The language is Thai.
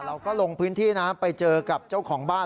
เราก็ลงพื้นที่นะไปเจอกับเจ้าของบ้าน